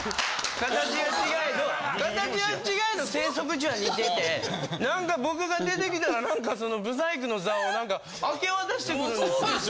形は違えど生息地は似ててなんか僕が出てきたらなんかその不細工の座を明け渡してくるんですよ。